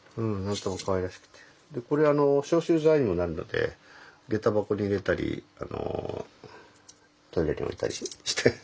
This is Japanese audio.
でこれ消臭剤にもなるのでげた箱に入れたりトイレに置いたりして。